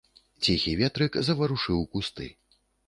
Ціхі ветрык заварушыў кусты.